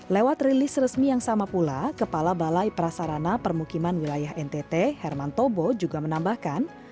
lewat rilis resmi yang sama pula kepala balai prasarana permukiman wilayah ntt herman tobo juga menambahkan